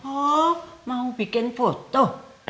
oh mau bikin foto